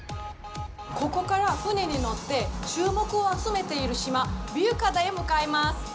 ここから船に乗って、注目を集めている島ビュユックアダへ向かいます。